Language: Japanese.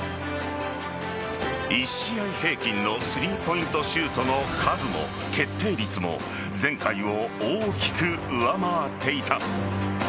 １試合平均のスリーポイントシュートの数も決定率も前回を大きく上回っていた。